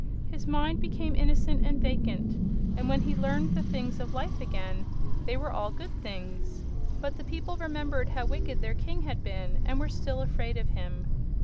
His mind became innocent and vacant, and when he learned the things of life again they were all good things. But the people remembered how wicked their King had been, and were still afraid of him.